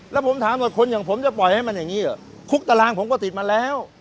แล้วผมถามว่าคนอย่างผมจะปล่อยให้มันอย่างนี้เหรอคุกตารางผมก็ติดมาแล้ว